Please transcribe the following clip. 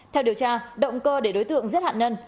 theo điều tra động cơ để đối tượng giết hạn nhân